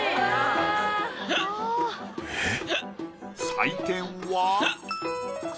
採点は。